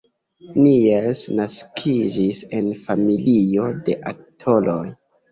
Niels naskiĝis en familio de aktoroj.